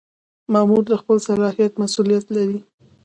مامور د خپل صلاحیت مسؤلیت لري.